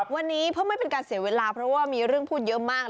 วันนี้เพื่อไม่เป็นการเสียเวลาเพราะว่ามีเรื่องพูดเยอะมาก